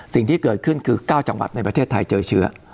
สิ่งที่เกิดขึ้นคือ๙จังหวัดในประเทศไทยเจอเชื้อ